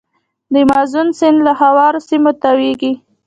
د مازون سیند له هوارو سیمو تویږي.